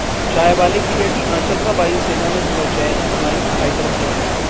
चायवाले की बेटी आंचल का वायु सेना में हुआ चयन, उड़ाएंगी फाइटर प्लेन